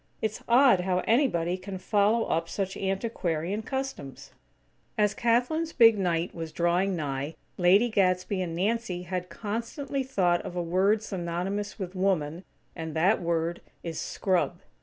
It's odd how anybody can follow up such antiquarian customs." As Kathlyn's big night was drawing nigh, Lady Gadsby and Nancy had constantly thought of a word synonymous with "woman", and that word is "scrub."